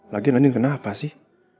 lagian andien kenapa sih